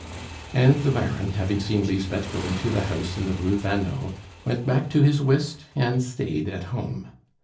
And the Baron, having seen Lisbeth go into the house in the Rue Vanneau, went back to his whist and stayed at home.